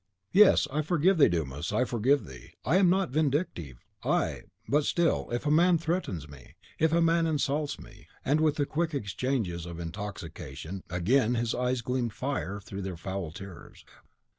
"Yes, I forgive thee, Dumas, I forgive thee. I am not vindictive, I! but still, if a man threatens me; if a man insults me " and, with the quick changes of intoxication, again his eyes gleamed fire through their foul tears.